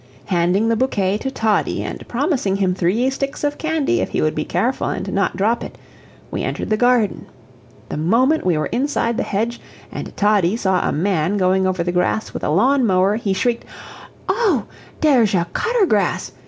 Handing the bouquet to Toddie, and promising him three sticks of candy if he would be careful and not drop it, we entered the garden. The moment we were inside the hedge and Toddie saw a man going over the lawn with a lawn mower, he shrieked: "Oh, deresh a cutter grass!"